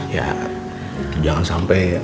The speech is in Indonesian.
yaa jangan sampe